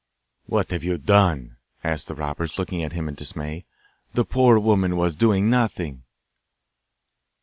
'What have you done?' asked the robbers, looking at him in dismay. 'The poor woman was doing nothing.